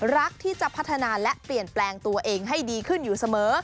รักที่จะพัฒนาและเปลี่ยนแปลงตัวเองให้ดีขึ้นอยู่เสมอ